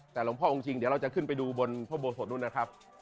แต่หลวงพ่อองค์จริงเดี๋ยวเราจะขึ้นไปดูบนพระโบสถนู้นนะครับ